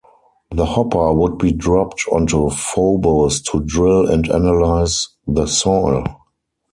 The hopper would be dropped onto Phobos to drill and analyze the soil.